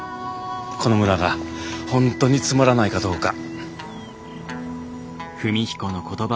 この村が本当につまらないかどうか。